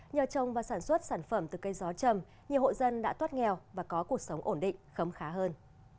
nhờ trông và sản xuất sản phẩm từ cây gió trầm nhiều hội dân đã thoát nghèo và có cuộc sống ổn định khấm khá hơn